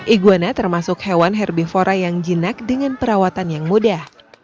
iguana termasuk hewan herbivora yang jinak dengan perawatan yang mudah